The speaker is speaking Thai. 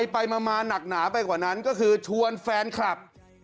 ไปมาหนักหนาไปกว่านั้นก็คือชวนแฟนคลับ